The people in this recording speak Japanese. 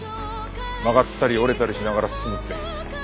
曲がったり折れたりしながら進むって。